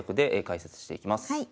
はい。